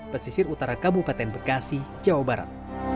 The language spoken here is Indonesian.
pesisir utara kabupaten bekasi jawa barat